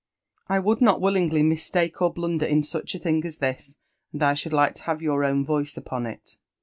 I wouki ,not willingly mistake or blunder in such a thing as this, and I should like to have your own voice upon it."